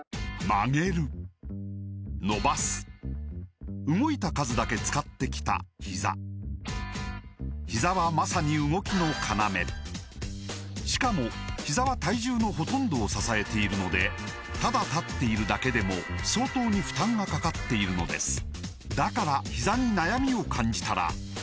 曲げる伸ばす動いた数だけ使ってきたひざひざはまさに動きの要しかもひざは体重のほとんどを支えているのでただ立っているだけでも相当に負担がかかっているのですだからひざに悩みを感じたら始めてみませんか